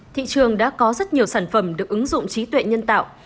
thị trường đã có rất nhiều sản phẩm được ứng dụng trí tuệ nhân tạo